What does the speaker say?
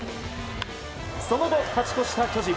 その後、勝ち越した巨人。